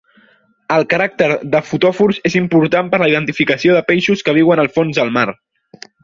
El caràcter de fotòfors és important per la identificació de peixos que viuen al fons del mar.